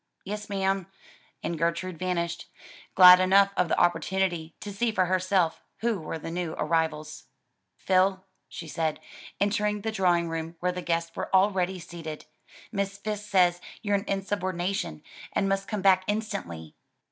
"Yes ma'am," and Gertrude vanished; glad enough of the opportunity to see for herself who were the new arrivals. "Phil," she said, entering the drawing room where the guests were already seated, "Miss Fisk says you're an insubordination and must come back instantly."